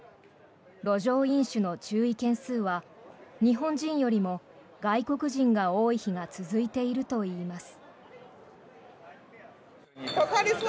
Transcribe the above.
路上飲酒の注意件数は日本人よりも外国人が多い日が続いているといいます。